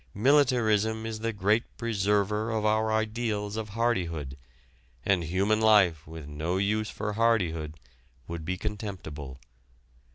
Militarism is the great preserver of our ideals of hardihood, and human life with no use for hardihood would be contemptible.